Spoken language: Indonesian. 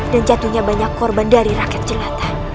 dan jatuhnya banyak korban dari rakyat jelata